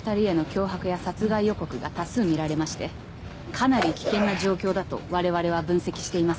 かなり危険な状況だとわれわれは分析しています。